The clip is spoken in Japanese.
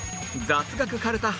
雑学かるた！